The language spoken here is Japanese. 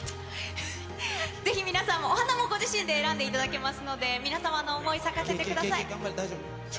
ぜひ、皆さんもお花もご自身で選んでいただけますので、皆様の想い、咲かせてください。